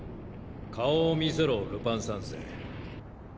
顔を見せろルパン三世。